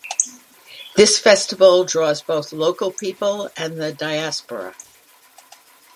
This festival draws both local people and the diaspora.